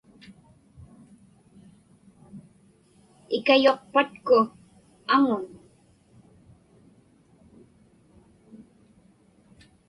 Ikayuqpatku aŋun?